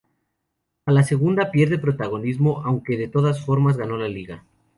A la segunda pierde protagonismo aunque de todas formas ganó la Liga.